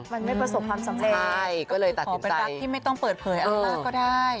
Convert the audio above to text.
มันไม่ประสบความสำเร็จขอเป็นรักที่ไม่ต้องเปิดเผยอะไรมากก็ได้